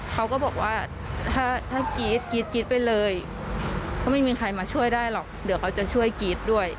เขาก็บอกว่าถ้ากรี๊ดกรี๊ดไปเลยก็ไม่มีใครมาช่วยได้หรอกเดี๋ยวเขาจะช่วยกรี๊ดด้วย